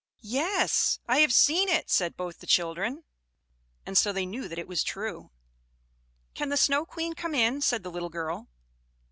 "Yes, I have seen it," said both the children; and so they knew that it was true. "Can the Snow Queen come in?" said the little girl.